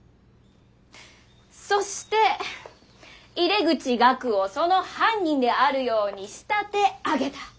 そして井出口岳をその犯人であるように仕立て上げた。